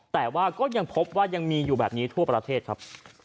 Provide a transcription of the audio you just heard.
แต่ว่าก็ยังพบว่ายังมีอยู่แบบนี้ทั่วประเทศครับ